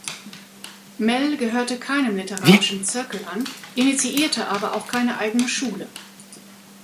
Mell gehörte keinem literarischen Zirkel an, initiierte aber auch keine eigene „Schule“.